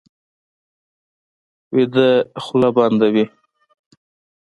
ویده خوله بنده وي